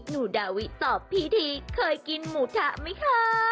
หนูดาวิตอบพีทีเคยกินหมูทะไหมคะ